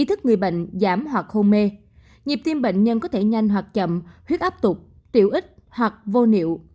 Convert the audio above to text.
y thức người bệnh giảm hoặc hô mê nhịp tiêm bệnh nhân có thể nhanh hoặc chậm huyết áp tục triệu ích hoặc vô niệu